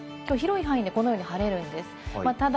きょう広い範囲でこのように晴れるんです。